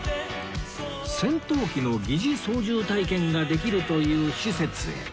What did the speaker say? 戦闘機の疑似操縦体験ができるという施設へ